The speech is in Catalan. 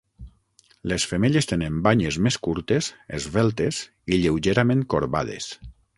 Les femelles tenen banyes més curtes, esveltes i lleugerament corbades.